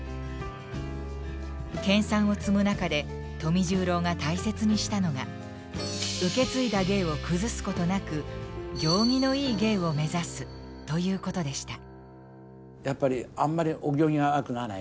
研鑽を積む中で富十郎が大切にしたのが受け継いだ芸を崩すことなく「行儀のいい芸」を目指すということでした。